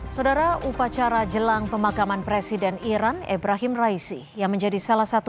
saudara upacara jelang pemakaman presiden iran ibrahim raisi yang menjadi salah satu